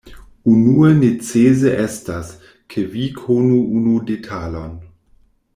Unue necese estas, ke vi konu unu detalon.